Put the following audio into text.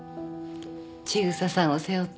千草さんを背負って。